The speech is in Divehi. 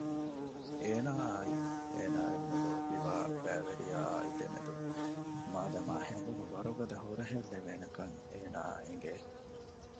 އޭނާއާ އޭނާ އެންމެ ލޯބިވާ ބައިވެރިޔާއާ ދެމެދު މާދަމާ ހެނދުނު ވަރުގަދަ ހުރަހެއްލެވޭނެކަން އޭނާއަށް އެނގެ